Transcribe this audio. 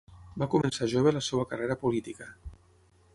Va començar jove la seva carrera política.